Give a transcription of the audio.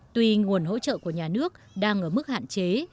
tuy nguồn hỗ trợ của nhà nước đang ở mức hạn chế